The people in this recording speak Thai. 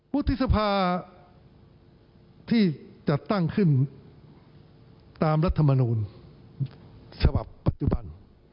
วุฒิสภาที่จัดตั้งขึ้นตามรัฐมนูลฉบับปัจจุบัน